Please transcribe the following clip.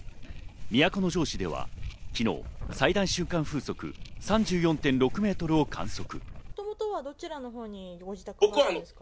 都城市では昨日、最大瞬間風速３４．６メートルを観測。